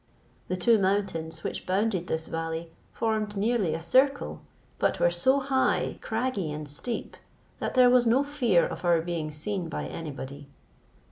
The two mountains which bounded this valley formed nearly a circle, but were so high, craggy, and steep, that there was no fear of our being seen by any body.